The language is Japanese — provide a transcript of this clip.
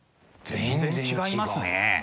全然違いますね。